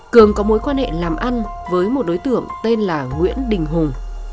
cường có mối quan hệ làm ăn với một đối tượng tên là nguyễn đình hùng